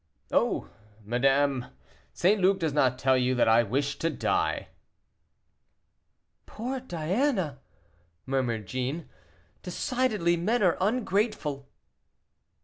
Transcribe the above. "Oh! madame, St. Luc does not tell you that I wish to die." "Poor Diana!" murmured Jeanne, "decidedly men are ungrateful."